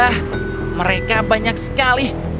hah mereka banyak sekali